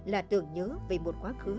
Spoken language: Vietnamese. là tưởng nhớ về một quá khứ